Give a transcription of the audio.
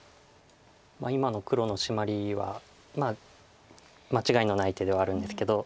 今の黒のシマリは間違いのない手ではあるんですけど。